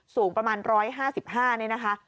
สูงประมาณ๑๕๕นี่นะคะ